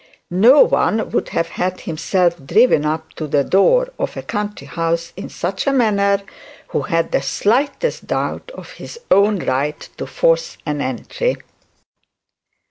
No one would have had himself driven to the door of a country house in such a manner who had the slightest doubt of his own right to force an entry.